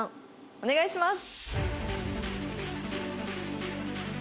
お願いします。